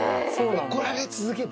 怒られ続けて。